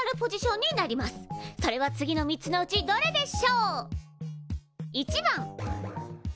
それは次の３つのうちどれでしょう？